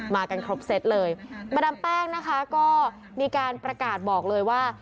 กันครบเซตเลยมาดามแป้งนะคะก็มีการประกาศบอกเลยว่า